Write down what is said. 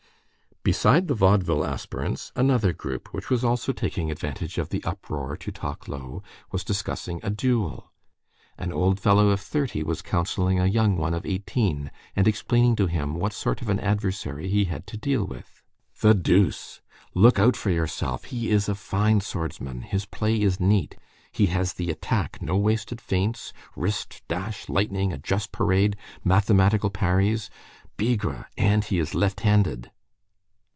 Beside the vaudeville aspirants, another group, which was also taking advantage of the uproar to talk low, was discussing a duel. An old fellow of thirty was counselling a young one of eighteen, and explaining to him what sort of an adversary he had to deal with. "The deuce! Look out for yourself. He is a fine swordsman. His play is neat. He has the attack, no wasted feints, wrist, dash, lightning, a just parade, mathematical parries, bigre! and he is left handed."